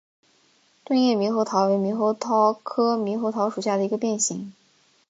钝叶猕猴桃为猕猴桃科猕猴桃属下的一个变型。